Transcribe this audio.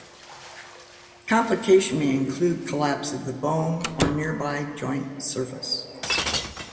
Complication may include collapse of the bone or nearby joint surface.